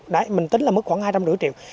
đấy mình tính là mức khoảng hai trăm năm mươi triệu